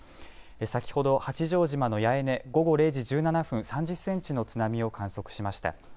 先ほど八丈島の八重根午後０時１７分、３０センチの津波を観測しました。